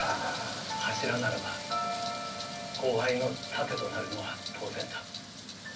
柱ならば後輩の盾となるのは当然だ。